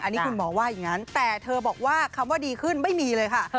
อันนี้คุณหมอว่าอย่างนั้นแต่เธอบอกว่าคำว่าดีขึ้นไม่มีเลยค่ะ